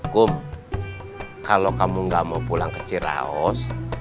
kum kalau kamu gak mau pulang ke ciraos